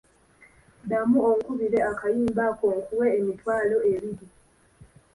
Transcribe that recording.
Ddamu onkubire akayimba ako nkuwe emitwalo ebiri.